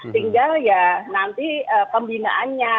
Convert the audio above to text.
tinggal ya nanti pembinaannya